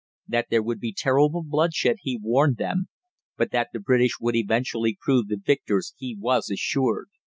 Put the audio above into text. That there would be terrible bloodshed he warned them, but that the British would eventually prove the victors he was assured.